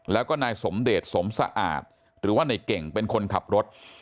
แล้วก็นายสมเดชสมสะอาดหรือว่าในเก่งเป็นคนขับรถ